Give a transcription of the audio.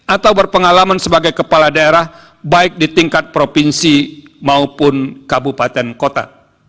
atau berpengalaman sebagai kepala daerah baik di tingkat provinsi maupun kabupaten kota